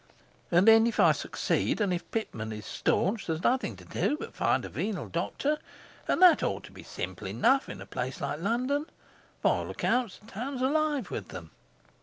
And then, if I succeed, and if Pitman is staunch, there's nothing to do but find a venal doctor; and that ought to be simple enough in a place like London. By all accounts the town's alive with them.